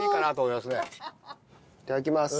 いただきます。